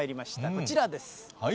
こちらです。